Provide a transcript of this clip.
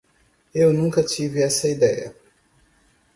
Eu nunca tive essa ideia.